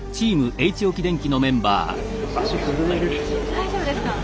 大丈夫ですか？